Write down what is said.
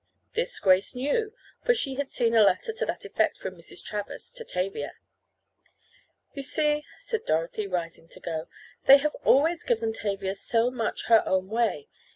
This Grace knew for she had seen a letter to that effect from Mrs. Travers to Tavia. "You see," said Dorothy, rising to go, "they have always given Tavia so much her own way.